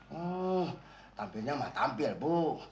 hmm tampilnya mah tampil bu